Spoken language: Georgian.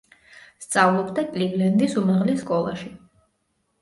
სწავლობდა კლივლენდის უმაღლეს სკოლაში.